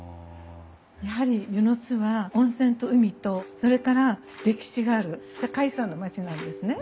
やはり温泉津は温泉と海とそれから歴史がある世界遺産の町なんですね。